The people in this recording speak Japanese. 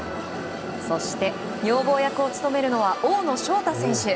そして女房役を務めるのは大野奨太選手。